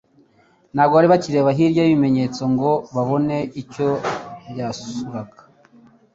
Ntabwo bari bakireba hirya y'ibimenyetso ngo babone icyo byasuraga.